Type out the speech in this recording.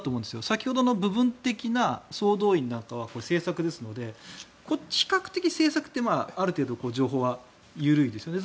先ほどの部分的な総動員なんかはこれは政策ですので比較的、政策はある程度、情報は緩いですよね。